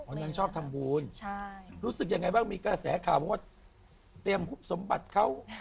นางชอบทำบุญใช่รู้สึกยังไงบ้างมีกระแสข่าวบอกว่าเตรียมฮุบสมบัติเขา